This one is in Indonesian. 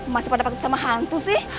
masih pada paket sama hantu sih